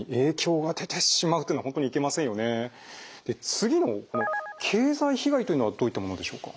次の経済被害というのはどういったものでしょうか？